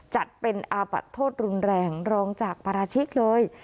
จัดเป็นอาบัติโทษรุนแรงรองจากปราชิกเลย